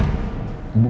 bukan pak remon